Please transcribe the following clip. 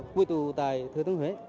quy tù tại thừa thượng huế